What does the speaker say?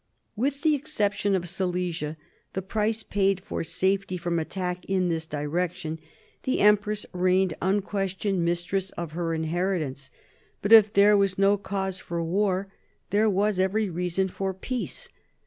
With the exception of Silesia, the price paid for safety from attack in this direction, the empress reigned unquestioned mistress of her inheritance. But if there was no cause for war, there was every reason for peace.